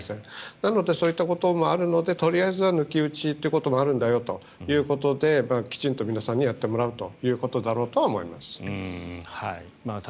なのでそういったこともあるのでとりあえずは抜き打ちということもあるんだよということできちんと皆さんにやってもらうということだろうとは思います。